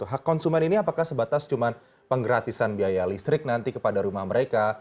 hak konsumen ini apakah sebatas cuma penggratisan biaya listrik nanti kepada rumah mereka